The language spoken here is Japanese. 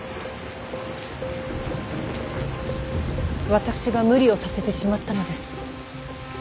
私が無理をさせてしまったのです。